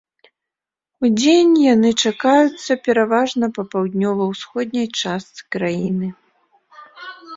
Удзень яны чакаюцца пераважна па паўднёва-ўсходняй частцы краіны.